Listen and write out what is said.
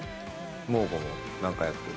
桃子も何かやってる。